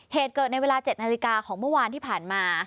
เหตุเกิดในเวลา๗นาฬิกาของเมื่อวานที่ผ่านมา